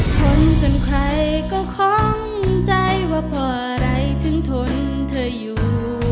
ทนจนใครก็คล่องใจว่าเพราะอะไรถึงทนเธออยู่